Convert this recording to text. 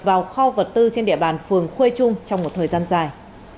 vào kho vật tư trên địa bàn phường khuê trung trong một thời gian dài